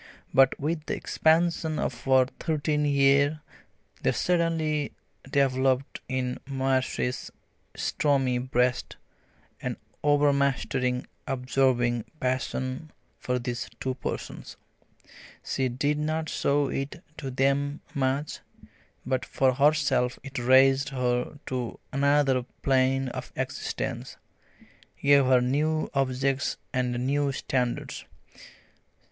But with the expansion of her thirteenth year there suddenly developed in Marcie's stormy breast an overmastering absorbing passion for these two persons. She did not show it to them much, but for herself it raised her to another plane of existence, gave her new objects and new standards.